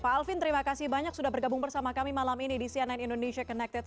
pak alvin terima kasih banyak sudah bergabung bersama kami malam ini di cnn indonesia connected